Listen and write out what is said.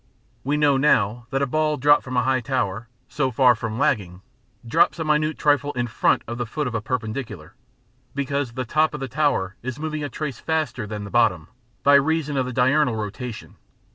We know now that a ball dropped from a high tower, so far from lagging, drops a minute trifle in front of the foot of a perpendicular, because the top of the tower is moving a trace faster than the bottom, by reason of the diurnal rotation.